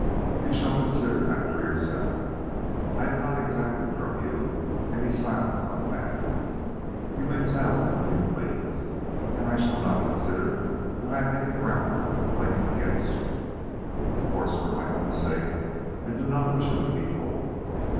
"You shall consider that for yourself. I have not exacted from you any silence on the matter. You may tell whom you please, and I shall not consider that I have any ground of complaint against you. Of course for my own sake I do not wish it to be told.